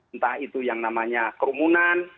entah itu yang namanya kerumunan